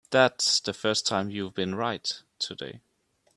That's the first time you've been right today.